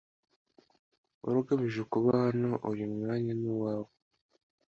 Wari ugamije kuba hano. Uyu mwanya ni uwawe